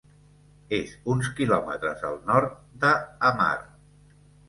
És uns kilòmetres al nord de Hamar.